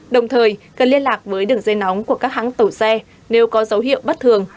đồng thời cần liên lạc với đường dây nóng của các hãng tàu xe nếu có dấu hiệu bất thường